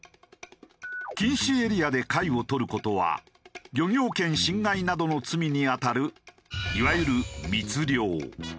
禁止エリアで貝を採る事は漁業権侵害などの罪にあたるいわゆる密漁。